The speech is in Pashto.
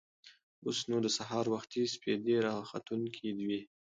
اوس نو د سهار وختي سپېدې راختونکې وې.